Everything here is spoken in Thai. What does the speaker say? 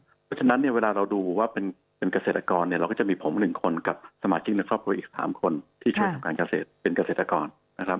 เพราะฉะนั้นเนี่ยเวลาเราดูว่าเป็นเกษตรกรเนี่ยเราก็จะมีผม๑คนกับสมาชิกในครอบครัวอีก๓คนที่ช่วยทำการเกษตรเป็นเกษตรกรนะครับ